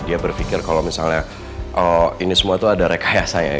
dia berpikir kalau misalnya ini semua itu ada rekayasanya